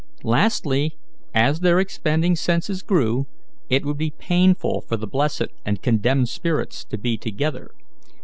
Lastly, as their expanding senses grew, it would be painful for the blessed and condemned spirits to be together.